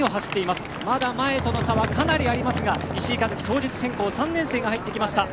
まだ前との差はかなりありますが石井一希、当日変更３年生が入ってきました。